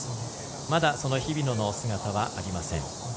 まだその日比野の姿はありません。